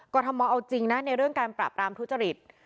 ทมเอาจริงนะในเรื่องการปราบรามทุจริต